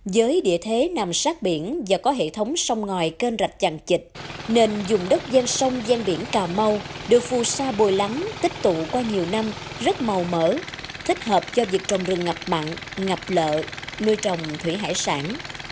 với địa thế nằm sát biển và có hệ thống sông ngòi kênh rạch chằn chịch nền dùng đất gian sông gian biển cà mau được phu sa bồi lắng tích tụ qua nhiều năm rất màu mỡ thích hợp cho việc trồng rừng ngập mặn ngập lợ nuôi trồng thủy hải sản